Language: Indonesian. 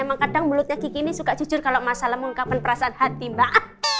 emang kadang mulutnya kiki ini suka jujur kalau mas al mengungkapkan perasaan hati mbak